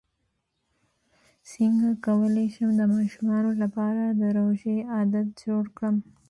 څنګه کولی شم د ماشومانو لپاره د روژې عادت جوړ کړم